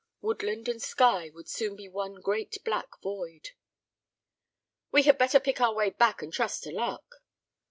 Woodland and sky would soon be one great black void. "We had better pick our way back and trust to luck."